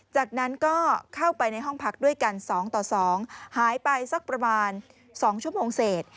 จากนั้นก็เข้าไปในห้องพักด้วยกัน๒ต่อ๒หายไปสักประมาณ๒ชั่วโมงเศษ